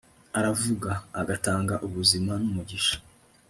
aravura, agatanga ubuzima n'umugisha